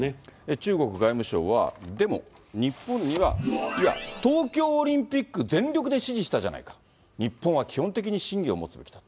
中国外務省は、でも日本には、いや、東京オリンピック全力で支持したじゃないかと、日本は基本的に信義を持つべきと。